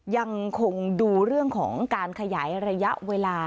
ยังคงดูเรื่องของการขยายระยะเวลา